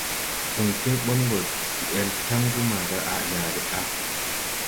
‘ũy tiŋ ɓɔŋ gɔ de-al taŋgu maaga yaale a.